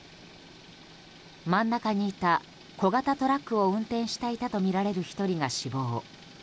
真ん中にいた小型トラックを運転していたとみられる１人が死亡。